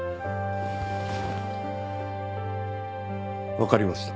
わかりました。